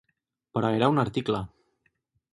Però era un article.